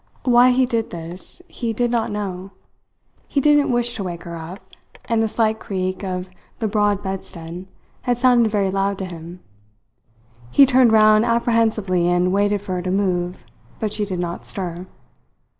Why he did this he did not know. He didn't wish to wake her up, and the slight creak of the broad bedstead had sounded very loud to him. He turned round apprehensively and waited for her to move, but she did not stir.